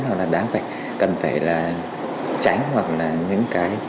hoặc là đáng phải cần phải là tránh hoặc là những cái